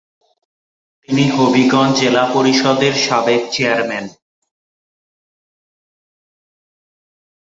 তিনি হবিগঞ্জ জেলা পরিষদের সাবেক চেয়ারম্যান।